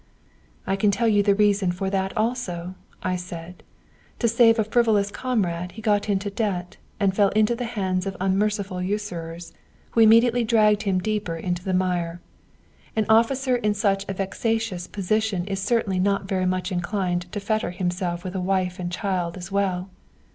"'I can tell you the reason of that also,' I said. 'To save a frivolous comrade, he got into debt, and fell into the hands of unmerciful usurers, who immediately dragged him deeper into the mire. An officer in such a vexatious position is certainly not very much inclined to fetter himself with a wife and child as well.